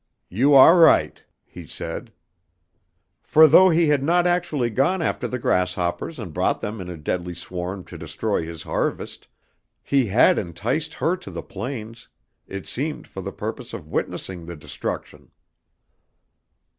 "You ah right," he said. For though he had not actually gone after the grasshoppers and brought them in a deadly swarm to destroy his harvest, he had enticed her to the plains it seemed for the purpose of witnessing the destruction.